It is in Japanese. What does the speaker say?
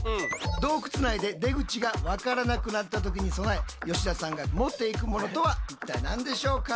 洞窟内で出口がわからなくなったときに備え吉田さんが持って行くものとは一体何でしょうか？